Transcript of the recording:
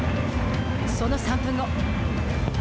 その３分後。